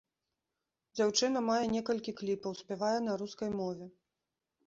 Дзяўчына мае некалькі кліпаў, спявае на рускай мове.